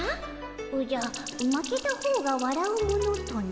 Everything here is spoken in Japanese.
おじゃ負けた方がわらうものとな？